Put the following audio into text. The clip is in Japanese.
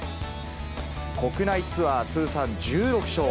国内ツアー通算１６勝。